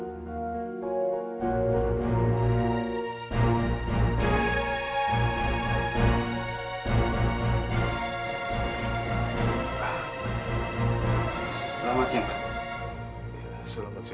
apa kalian akhirnya nyusahin